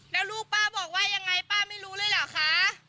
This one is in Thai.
แล้วลูกป้าบอกว่ายังไงป้าไม่รู้เลยเหรอคะ